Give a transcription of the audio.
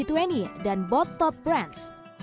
dan tiga ikm lampung